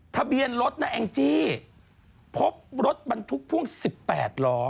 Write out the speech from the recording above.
ทะเบียนรถนะแองจี้พบรถบรรทุกพ่วง๑๘ล้อ